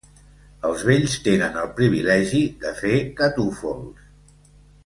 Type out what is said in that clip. Els vells tenen el privilegi de fer catúfols.